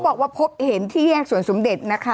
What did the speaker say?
ยังไม่ได้ตอบรับหรือเปล่ายังไม่ได้ตอบรับหรือเปล่า